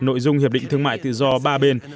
nội dung hiệp định thương mại tự do ba bên